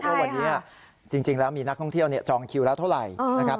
ว่าวันนี้จริงแล้วมีนักท่องเที่ยวจองคิวแล้วเท่าไหร่นะครับ